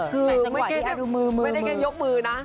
คือไม่เก็บยกมือนะ